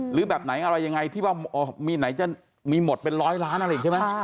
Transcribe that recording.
แบบไหนอะไรยังไงที่ว่ามีไหนจะมีหมดเป็นร้อยล้านอะไรอีกใช่ไหม